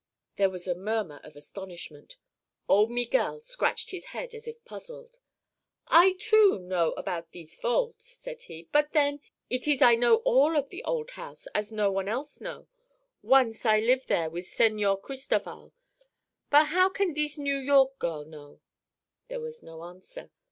There was a murmur of astonishment. Old Miguel scratched his head as if puzzled. "I, too, know about thees vault," said he; "but then, eet ees I know all of the old house, as no one else know. Once I live there with Señor Cristoval. But how can thees New York girl know?" There was no answer.